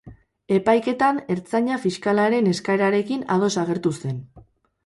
Epaiketan, ertzaina fiskalaren eskaerarekin ados agertu zen.